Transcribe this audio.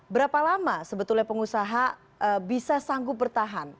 berapa lama sebetulnya pengusaha bisa sanggup bertahan